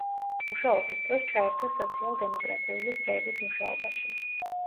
მუშაობის დროს ჩაერთო სოციალ-დემოკრატიული წრეების მუშაობაში.